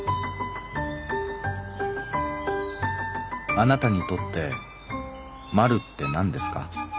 「あなたにとってまるってなんですか。